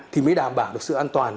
thì mới đảm bảo được sự an toàn